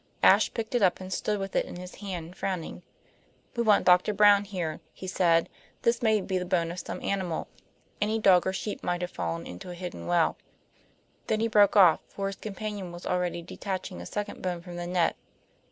Ashe picked it up and stood with it in his hand, frowning. "We want Doctor Brown here," he said. "This may be the bone of some animal. Any dog or sheep might fall into a hidden well." Then he broke off, for his companion was already detaching a second bone from the net.